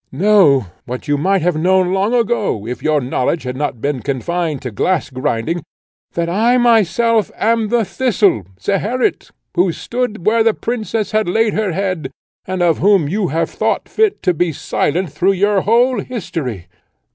Know, what you might have known long ago if your knowledge had not been confined to glass grinding, that I myself am the thistle, Zeherit, who stood where the princess had laid her head, and of whom you have thought fit to be silent through your whole history."